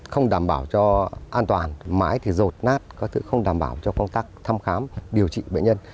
không đảm bảo cho an toàn mái thì rột nát không đảm bảo cho công tác thăm khám điều trị bệnh nhân